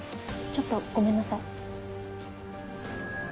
ちょっとごめんなさい。